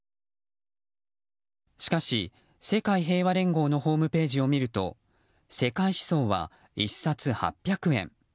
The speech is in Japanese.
しかし、世界平和連合のホームページを見ると「世界思想」は１冊８００円。